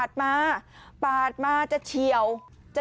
สุดยอดดีแล้วล่ะ